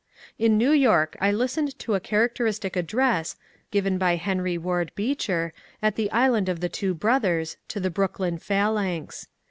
In New York I listened to a characteristic address given by Henry Ward Beecher, at the Island of the Two Brothers, to the Brooklyn Phalanx.